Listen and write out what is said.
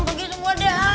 pergi semua dah